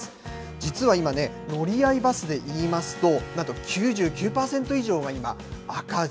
実は今ね、乗り合いバスでいいますと、なんと９９％以上が今、赤字。